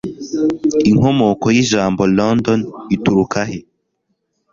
Inkomoko y'Ijambo London ituruka he?